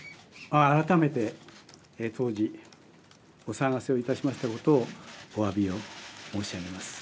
あらためて当時お騒がせをいたしましたことをおわびを申し上げます。